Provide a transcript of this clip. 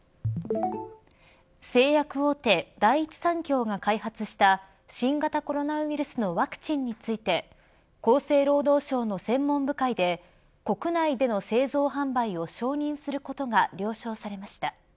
製薬大手、第一三共が開発した新型コロナウイルスのワクチンについて厚生労働省の専門部会で国内での製造販売を承認することが了承されました。